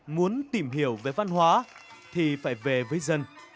muốn tìm hiểu về văn hóa thì phải về với dân